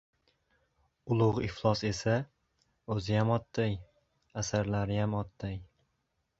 — Ulug‘ iflos esa, o‘ziyam otday, asarlariyam otday!